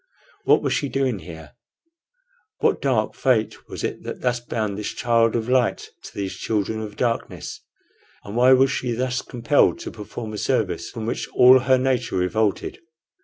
What was she doing here? What dark fate was it that thus bound this child of light to these children of darkness? or why was she thus compelled to perform a service from which all her nature revolted?